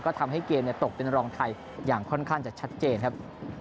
ก็ทำให้เกมตกเป็นรองไทยอย่างค่อนข้างจะชัดเจนครับ